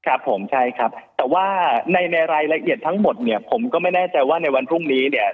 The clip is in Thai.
ครับผมใช่ครับแต่ว่าในในรายละเอียดทั้งหมดเนี่ยผมก็ไม่แน่ใจว่าในวันพรุ่งนี้เนี่ย